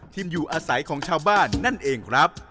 ที่อยู่อาศัยของชาวบ้านนั่นเองครับ